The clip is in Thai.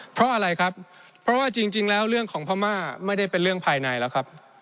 เพราะอะไรครับเพราะว่าจริงแล้วเรื่องของพม่าไม่ได้เป็นเรื่องภายในแล้วครับ